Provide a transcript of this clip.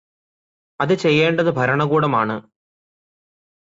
അത് ചെയ്യേണ്ടത് ഭരണകൂടമാണ്.